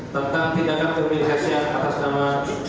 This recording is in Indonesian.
tentang tindakan kebiasaan atas nama